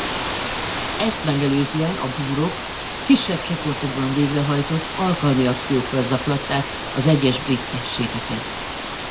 Ezt megelőzően a búrok kisebb csoportokban végrehajtott alkalmi akciókkal zaklatták az egyes brit egységeket.